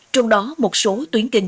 trong đó một số tuyến kinh